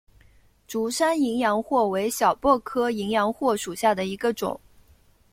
竹山淫羊藿为小檗科淫羊藿属下的一个种。